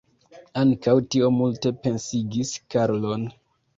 Ankaŭ tio multe pensigis Karlon.